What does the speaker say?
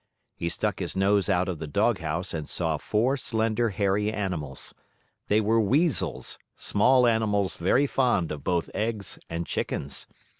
He stuck his nose out of the doghouse and saw four slender, hairy animals. They were Weasels, small animals very fond of both eggs and chickens.